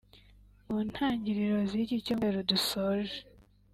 mu ntangiriro z’iki cyumweru dusoje